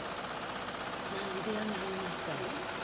何でやめはりましたんえ？